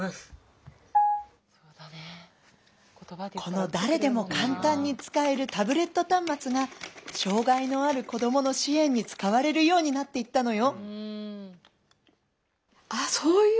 「この誰でも簡単に使えるタブレット端末が障害のある子どもの支援に使われるようになっていったのよ」。